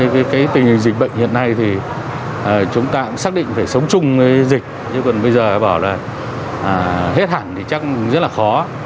với tình hình dịch bệnh hiện nay thì chúng ta cũng xác định phải sống chung với dịch nhưng còn bây giờ bảo là hết hẳn thì chắc rất là khó